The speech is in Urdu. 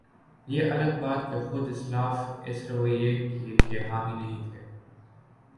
یہ الگ بات کہ خود اسلاف اس رویے کے حامی نہیں تھے۔